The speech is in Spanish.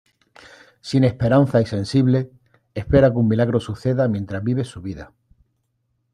Sin esperanza y sensible, espera que un milagro suceda mientras vive su vida.